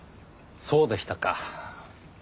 そうでしたか。